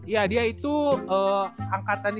iya dia itu angkatan